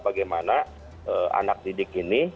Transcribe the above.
bagaimana anak didik ini